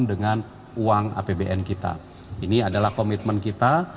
dengan uang apbn kita ini adalah komitmen kita